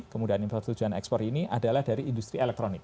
kemudian yang tersetujuan ekspor ini adalah dari industri elektronik